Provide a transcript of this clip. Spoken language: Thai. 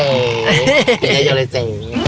เป็นเจ๊ยาเลยเจ๊